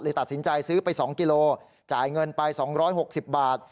ตัดสินใจซื้อไป๒กิโลจ่ายเงินไป๒๖๐บาท